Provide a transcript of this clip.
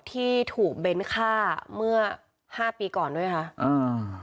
ที่ถูกเบ้นฆ่าเมื่อห้าปีก่อนด้วยค่ะอ่า